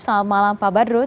selamat malam pak badrut